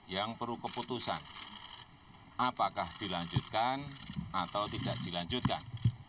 yang perlu keputusan apakah dilanjutkan atau tidak dilanjutkan